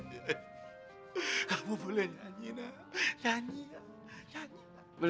kamu boleh nyanyi nak